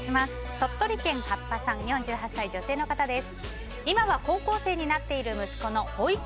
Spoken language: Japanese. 鳥取県、４８歳、女性の方です。